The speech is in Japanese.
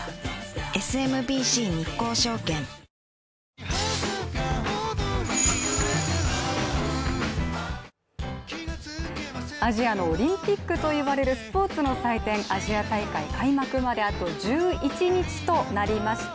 ＳＭＢＣ日興証券アジアのオリンピックといわれるスポーツの祭典アジア大会開幕まで、あと１１日となりました。